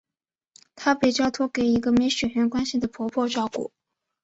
他被交托给一个没血缘关系的婆婆照顾。